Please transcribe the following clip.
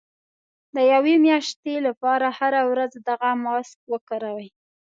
د يوې مياشتې لپاره هره ورځ دغه ماسک وکاروئ.